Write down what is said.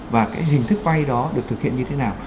và cái hình thức vay đó được thực hiện như thế nào